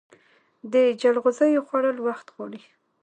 د جلغوزیو خوړل وخت غواړي.